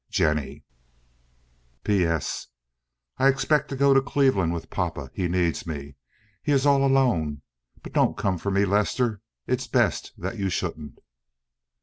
"JENNIE. "P. S. I expect to go to Cleveland with papa. He needs me. He is all alone. But don't come for me, Lester. It's best that you shouldn't."